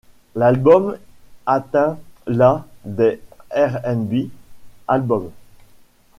L'album atteint la des R&B Albums.